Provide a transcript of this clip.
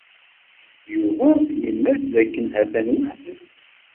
Yuba yenna-d dakken ha-t-an weḥd-s.